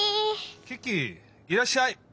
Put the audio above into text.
キキいらっしゃい。